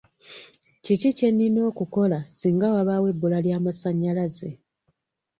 Kiki kye nnina okukola singa wabaawo ebbula ly'amasannyalaze?